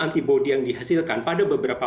antibody yang dihasilkan pada beberapa